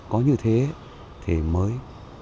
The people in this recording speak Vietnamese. có như thế thì mới